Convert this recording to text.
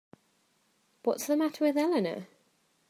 What's the matter with Eleanor?